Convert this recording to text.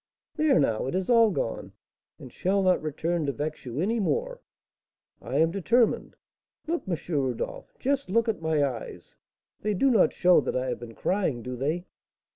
There now, it is all gone, and shall not return to vex you any more, I am determined. Look, M. Rodolph, just look at my eyes, they do not show that I have been crying, do they?"